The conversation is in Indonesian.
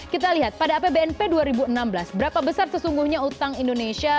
kita lihat pada apbnp dua ribu enam belas berapa besar sesungguhnya utang indonesia